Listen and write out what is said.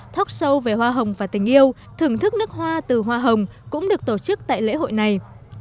thóc sâu về hoa hồng và tình yêu thưởng thức nước hoa từ hoa hồng cũng được tổ chức tại lễ hội này